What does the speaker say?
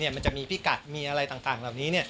มันจะมีพิกัดมีอะไรต่างเหล่านี้